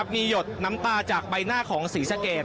มีหยดน้ำตาจากใบหน้าของศรีสะเกด